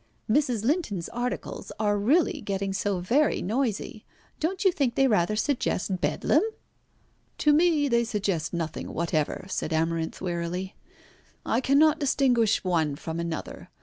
"Mrs. Linton's articles are really getting so very noisy. Don't you think they rather suggest Bedlam?" "To me they suggest nothing whatever," said Amarinth wearily. "I cannot distinguish one from another.